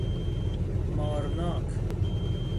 مارناک